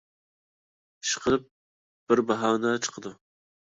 ئىشقىلىپ، بىر باھانە چىقىدۇ.